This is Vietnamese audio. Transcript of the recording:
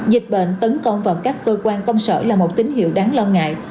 dịch bệnh tấn công vào các cơ quan công sở là một tín hiệu đáng lo ngại